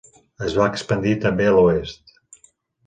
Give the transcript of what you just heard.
Es va expandir també a l'oest.